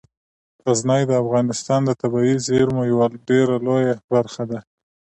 غزني د افغانستان د طبیعي زیرمو یوه ډیره لویه برخه ده.